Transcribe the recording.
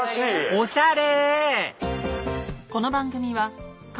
おしゃれ！